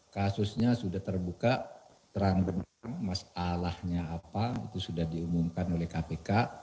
kasusnya sudah terbuka terang benerang masalahnya apa itu sudah diumumkan oleh kpk